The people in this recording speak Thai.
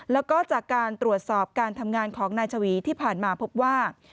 แล้วก็จากการตรวจสอบการทำงานของนายชวีที่ผ่านมาพบว่า